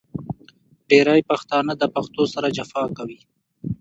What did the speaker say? ډېری پښتانه د پښتو سره جفا کوي .